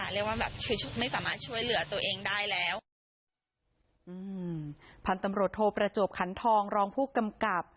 เรียกว่าแบบช่วยไม่สามารถช่วยเหลือตัวเองได้แล้วอืมพันธุ์ตำรวจโทประจวบขันทองรองผู้กำกับ